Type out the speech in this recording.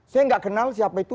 saya nggak kenal siapa itu